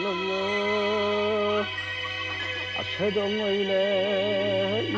anak si ikang cucu usahaku